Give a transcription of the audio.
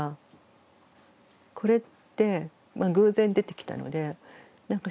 これって偶然出てきたのでなんか